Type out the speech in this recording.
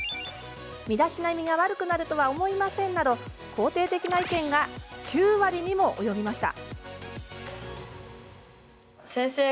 「身だしなみが悪くなるとは思いません」など肯定的な意見が９割にも及びました。